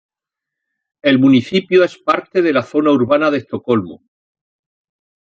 El municipio es parte de la zona urbana de Estocolmo.